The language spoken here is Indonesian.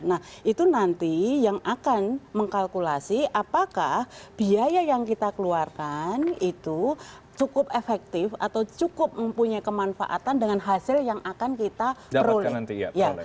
nah itu nanti yang akan mengkalkulasi apakah biaya yang kita keluarkan itu cukup efektif atau cukup mempunyai kemanfaatan dengan hasil yang akan kita peroleh